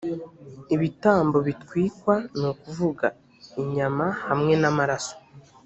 ibitambo bitwikwa ni ukuvuga inyama hamwe n’amaraso